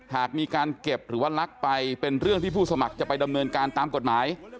หากมีการเก็บหรือว่าลักไปเป็นเรื่องที่ผู้สมัครจะไปดำเนินการตามกฎหมาย